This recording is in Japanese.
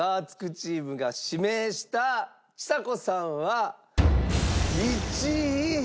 チームが指名したちさ子さんは１位。